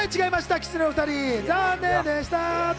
きつねのお２人、残念でしたと。